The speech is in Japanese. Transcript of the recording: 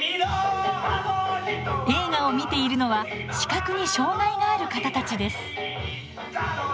映画を観ているのは視覚に障がいがある方たちです。